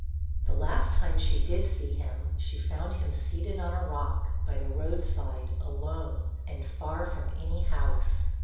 The last time she did see him, she found him seated on a rock, by the road side, alone, and far from any house.